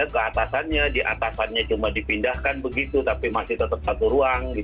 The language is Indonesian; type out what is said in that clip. ke atasannya di atasannya cuma dipindahkan begitu tapi masih tetap satu ruang